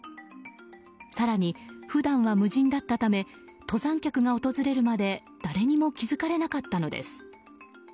更に、普段は無人だったため登山客が訪れるまで誰にも気づかれなかったのです。